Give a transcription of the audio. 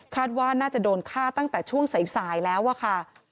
ว่าน่าจะโดนฆ่าตั้งแต่ช่วงสายแล้วอะค่ะ